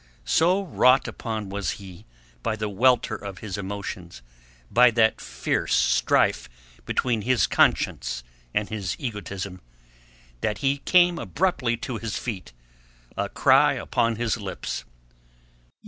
So wrought upon was he by the welter of his emotions, by that fierce strife between his conscience and his egotism, that he came abruptly to his feet, a cry upon his lips.